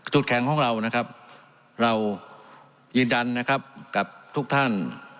แข็งของเรานะครับเรายืนยันนะครับกับทุกท่าน